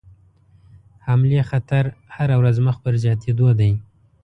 حملې خطر هره ورځ مخ پر زیاتېدلو دی.